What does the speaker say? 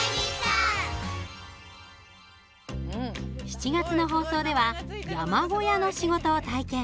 ７月の放送では山小屋の仕事を体験。